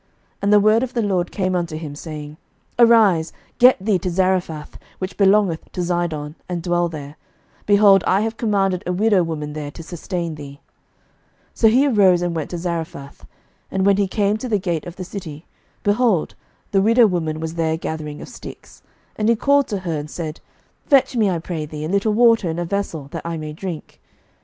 11:017:008 And the word of the LORD came unto him, saying, 11:017:009 Arise, get thee to Zarephath, which belongeth to Zidon, and dwell there: behold, I have commanded a widow woman there to sustain thee. 11:017:010 So he arose and went to Zarephath. And when he came to the gate of the city, behold, the widow woman was there gathering of sticks: and he called to her, and said, Fetch me, I pray thee, a little water in a vessel, that I may drink.